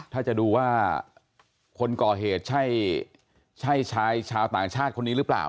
ถ้าจะดูว่าคนก่อเหตุใช่ชายชาวต่างชาติคนนี้หรือเปล่า